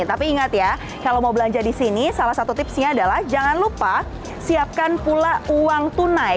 tapi ingat ya kalau mau belanja di sini salah satu tipsnya adalah jangan lupa siapkan pula uang tunai